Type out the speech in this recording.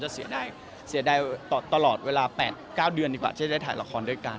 เสียดายตลอดเวลา๘๙เดือนดีกว่าจะได้ถ่ายละครด้วยกัน